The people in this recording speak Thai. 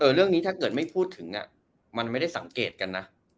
เรื่องนี้ถ้าเกิดไม่พูดถึงมันไม่ได้สังเกตกันนะ